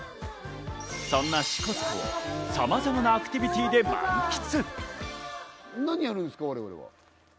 そんな支笏湖をさまざまなアクティビティで満喫。